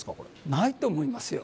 ないと思いますよ。